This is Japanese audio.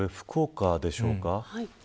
次が福岡でしょうか。